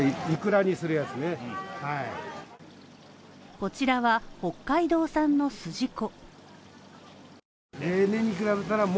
こちらは北海道産の筋子